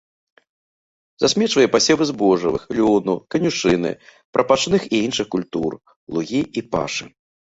Засмечвае пасевы збожжавых, лёну, канюшыны, прапашных і іншых культур, лугі і пашы.